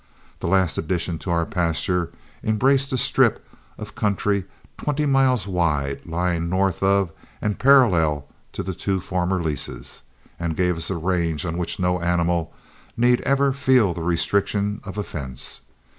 The last addition to our pasture embraced a strip of country twenty miles wide, lying north of and parallel to the two former leases, and gave us a range on which no animal need ever feel the restriction of a fence.